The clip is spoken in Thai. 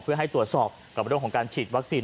เพื่อให้ตรวจสอบกับเรื่องของการฉีดวัคซีน